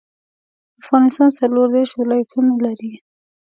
افغانستان څلوردیرش ولايتونه لري.